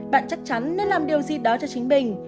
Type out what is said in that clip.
bạn chắc chắn nên làm điều gì đó cho chính mình